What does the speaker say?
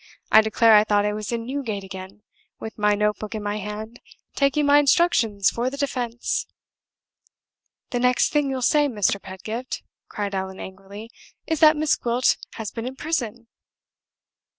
I declare I thought I was in Newgate again, with my note book in my hand, taking my instructions for the defense!" "The next thing you'll say, Mr. Pedgift," cried Allan, angrily, "is that Miss Gwilt has been in prison!"